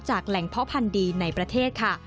แหล่งเพาะพันธุ์ดีในประเทศค่ะ